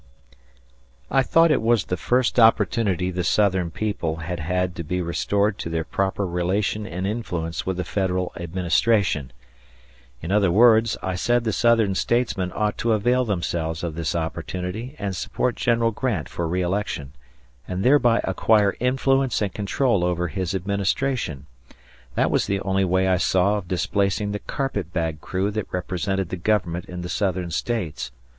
I thought it was the first opportunity the Southern people had had to be restored to their proper relation and influence with the Federal administration. In other words, I said the Southern statesmen ought to avail themselves of this opportunity and support General Grant for re election, and thereby acquire influence and control over his administration. That was the only way I saw of displacing the carpetbag crew that represented the Government in the Southern States.